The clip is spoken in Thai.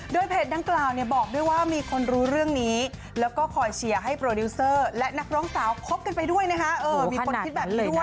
ด้วยเพจด้านกล่าวเนี่ยบอกด้วยว่ามีคนรู้เรื่องนี้แล้วก็คอยเชียร์ให้โปรดิวเซอร์และนักร้องสาวคบกันไปด้วยนะคะ